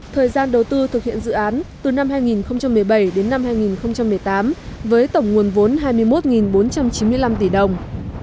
thời gian đầu tư thực hiện dự án từ năm hai nghìn một mươi bảy đến năm hai nghìn một mươi tám với tổng nguồn vốn hai mươi một bốn trăm chín mươi năm tỷ đồng